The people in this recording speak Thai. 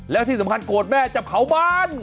แล้วที่สำคัญโกรธแม่จะเผาบ้าน